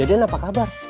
dianya apa kabar